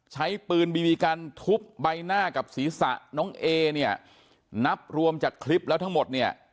ใช้ปืนบีบีกันทุบใบหน้ากับศีรษะน้องเอเนี่ยนับรวมจากคลิปแล้วทั้งหมดเนี่ย